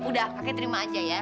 udah kakek terima aja ya